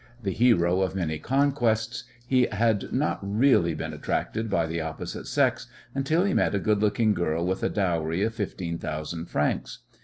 The hero of many conquests, he had not really been attracted by the opposite sex until he met a good looking girl with a dowry of fifteen thousand francs.